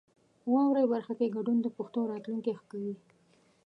په واورئ برخه کې ګډون د پښتو راتلونکی ښه کوي.